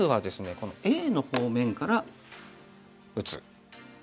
このＡの方面から打つ。